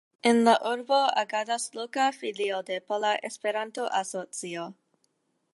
En la urbo agadas loka Filio de Pola Esperanto-Asocio.